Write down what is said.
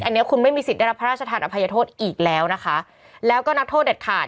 อันนี้คุณไม่มีสิทธิ์ได้รับพระราชทานอภัยโทษอีกแล้วนะคะแล้วก็นักโทษเด็ดขาด